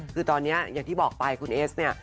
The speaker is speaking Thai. คือตอนนี้อย่างที่บอกไปคุณเอสเนี่ย